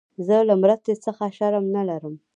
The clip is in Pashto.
زه له مرستي څخه شرم نه لرم.